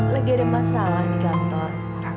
legere masalah di kantor